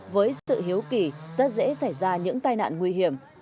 với sự hiếu kỳ rất dễ xảy ra những tai nạn nguy hiểm